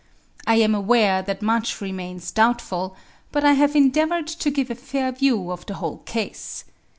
I am aware that much remains doubtful, but I have endeavoured to give a fair view of the whole case.